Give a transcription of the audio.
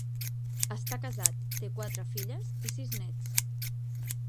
Està casat, té quatre filles i sis nets.